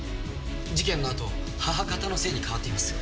事件のあと母方の姓に変わっています。